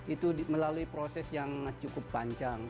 itu melalui proses yang cukup panjang